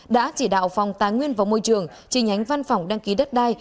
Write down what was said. đã chỉ đạo phòng tái nguyên và môi trường chỉ nhánh văn phòng đăng ký đất đai